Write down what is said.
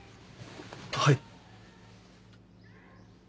はい。